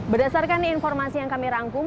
berdasarkan informasi yang kami rangkum